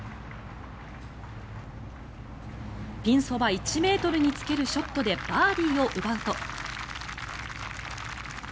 ピンそば１ｍにつけるショットでバーディーを奪うと。